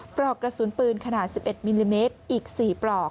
ปลอกกระสุนปืนขนาด๑๑มิลลิเมตรอีก๔ปลอก